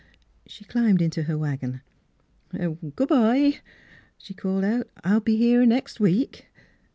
" She climbed into her wagon. " Good bye !" she called out. " I'll be here next week."